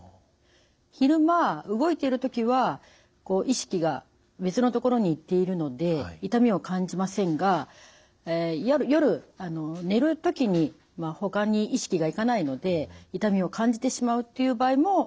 昼間動いている時はこう意識が別のところに行っているので痛みを感じませんが夜寝る時にほかに意識が行かないので痛みを感じてしまうっていう場合もあります。